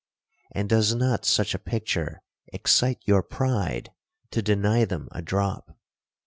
And does not such a picture excite your pride to deny them a drop?'